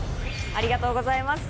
ありがとうございます。